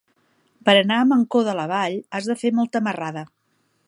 Per anar a Mancor de la Vall has de fer molta marrada.